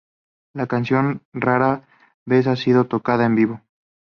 La canción rara vez ha sido tocada en vivo.